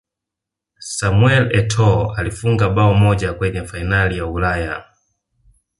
samuel etoo alifunga bao moja kwenye fainali ya ulaya